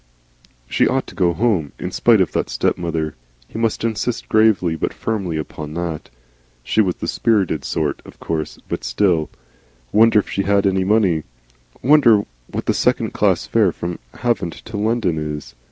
She ought to go home, in spite of that stepmother. He must insist gravely but firmly upon that. She was the spirited sort, of course, but still Wonder if she had any money? Wonder what the second class fare from Havant to London is?